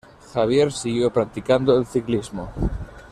Javier siguió practicando el ciclismo.